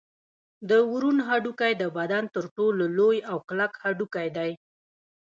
د ورون هډوکی د بدن تر ټولو لوی او کلک هډوکی دی